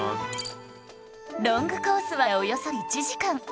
ロングコースはおよそ１時間